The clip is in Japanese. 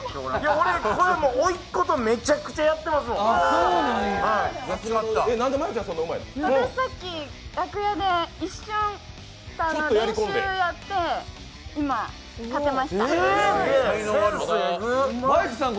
これ、おいっ子とめちゃくちゃやってますもん。